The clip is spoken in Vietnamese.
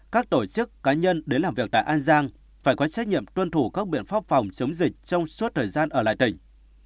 các tổ chức cá nhân đến làm việc tại an giang phải có trách nhiệm tuân thủ các biện pháp phòng chống dịch trong suốt thời gian ở lại tỉnh